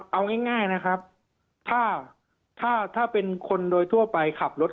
เอาง่ายนะครับถ้าถ้าเป็นคนโดยทั่วไปขับรถ